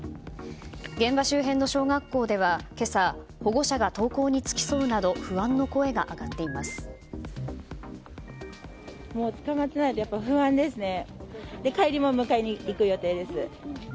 現場周辺の小学校では今朝、保護者が登校に付き添うなど不安の声が上がっています。